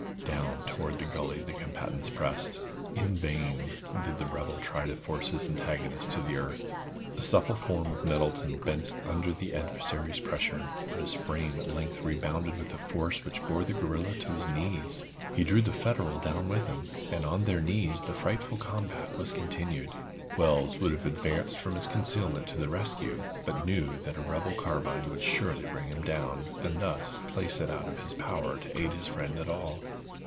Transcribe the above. Down toward the gully the combatants pressed. In vain did the rebel try to force his antagonist to the earth. The supple form of Nettleton bent under his adversary's pressure, but his frame at length rebounded with a force which bore the guerrilla to his knees. He drew the Federal down with him, and on their knees the frightful combat was continued. Wells would have advanced from his concealment to the rescue, but knew that a rebel carbine would surely bring him down, and thus place it out of his power to aid his friend at all.